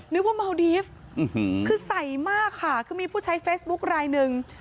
นึกว่าเมาดีฟคือใส่มากค่ะคือมีผู้ใช้เฟซบุ๊คลายหนึ่ง